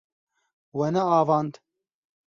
We neavand.